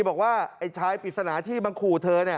บอกว่าไอ้ชายปริศนาที่มาขู่เธอ